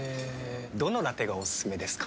どのラテがおすすめですか？